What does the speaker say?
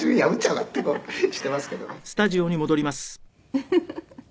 フフフフ。